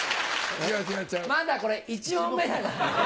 まだこれ１問目だから。